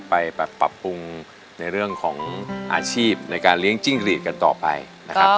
ไปปรับปรุงในเรื่องของอาชีพในการเลี้ยงจิ้งหลีดกันต่อไปนะครับ